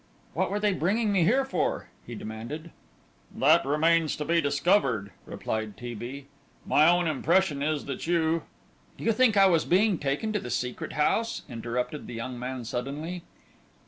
"What were they bringing me here for?" he demanded. "That remains to be discovered," replied T. B.; "my own impression is that you " "Do you think I was being taken to the Secret House?" interrupted the young man, suddenly.